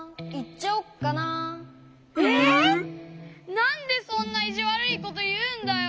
なんでそんないじわるいこというんだよ！